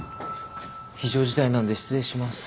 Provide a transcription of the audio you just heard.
非常事態なんで失礼します。